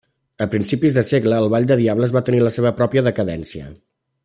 A principis de segle el Ball de Diables va tenir la seva pròpia decadència.